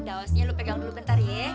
daosnya lo pegang dulu bentar ya